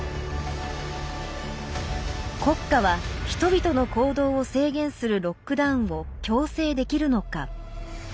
国家は人々の行動を制限するロックダウンを強制できるのか。